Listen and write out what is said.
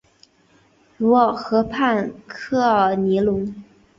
卢尔河畔科尔尼隆。